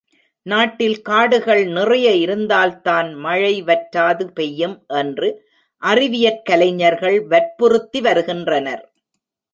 நாட்டில் காடுகள் நிறைய இருந்தால்தான் மழைவற்றாது பெய்யும் என்று அறிவியற்கலைஞர்கள் வற்புறுத்தி வருகின்றனர்.